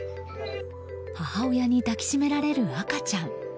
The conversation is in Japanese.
母親に抱きしめられる赤ちゃん。